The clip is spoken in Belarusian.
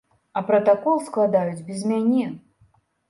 А пратакол складаюць без мяне!